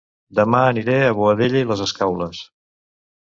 Dema aniré a Boadella i les Escaules